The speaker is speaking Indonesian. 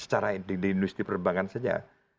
secara di industri perbankan saja